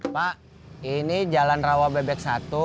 pak ini jalan rawa bebek satu